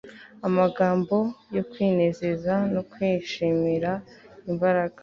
Amagambo yo kwinezeza no kwishimira imbaraga